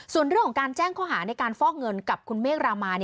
ส่วนเรื่องของการแจ้งข้อหาในการฟอกเงินกับคุณเมฆรามา